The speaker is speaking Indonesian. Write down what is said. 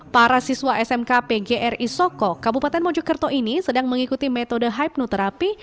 para siswa smk pgr isoko kabupaten mojokerto ini sedang mengikuti metode hipnoterapi